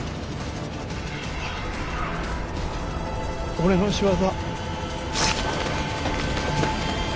俺の仕業。